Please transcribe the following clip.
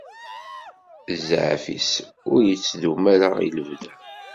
Zzɛaf-is ur ittdumw ara i lebda.